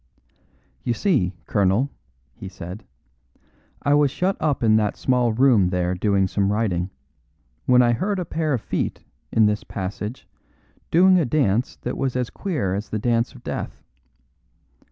"You see, colonel," he said, "I was shut up in that small room there doing some writing, when I heard a pair of feet in this passage doing a dance that was as queer as the dance of death.